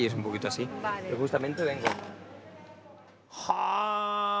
はあ！